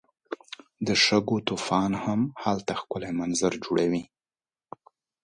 د شګو طوفان هم هلته ښکلی منظر جوړوي.